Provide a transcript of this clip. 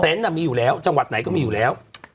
มีอยู่แล้วจังหวัดไหนก็มีอยู่แล้ว